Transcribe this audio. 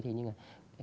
thế nhưng mà